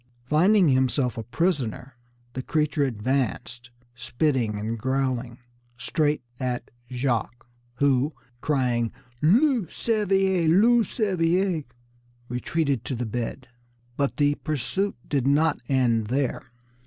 Finding himself a prisoner, the creature advanced, spitting and growling, straight at Jacques, who, crying, "Loup cervier! loup cervier!" retreated to the bed. But the pursuit did not end there.